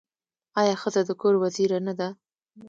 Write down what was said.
آیا ښځه د کور وزیره نه ده؟